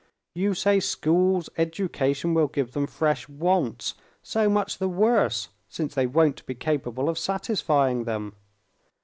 You say schools, education, will give them fresh wants. So much the worse, since they won't be capable of satisfying them.